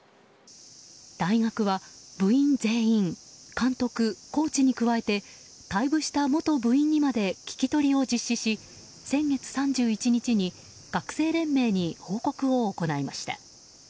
大学は部員全員、監督、コーチに加えて退部した元部員にまで聞き取りを実施し先月３１日に学生連盟に報告を行いました。